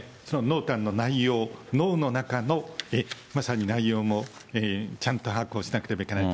濃淡の内容、濃の中のまさに内容も、ちゃんと把握をしなくてはいけない。